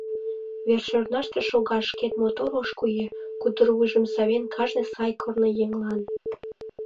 Вер-шӧрнаште шога шкет мотор ош куэ, Кудыр вуйжым савен кажне сай корныеҥлан.